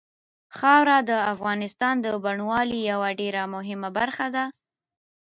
خاوره د افغانستان د بڼوالۍ یوه ډېره مهمه برخه ده.